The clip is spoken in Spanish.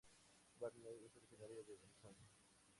Varney es originaria de Arizona.